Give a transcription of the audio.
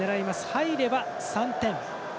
入れば、３点。